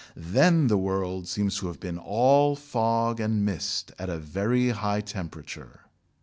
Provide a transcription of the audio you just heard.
Then the world seems to have been all fog and mist at a very high temperature.